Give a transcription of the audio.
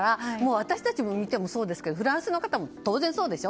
私たちから見てもそうですからフランスの方は当然そうでしょ。